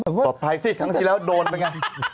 ปลอดภัยสิครั้งที่แล้วโดนไปไง